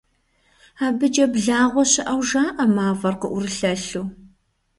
АбыкӀэ благъуэ щыӀэу жаӀэ, мафӀэр къыӀурылъэлъу.